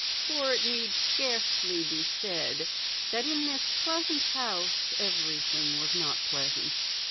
For it need scarcely be said that in this pleasant house everything was not pleasant.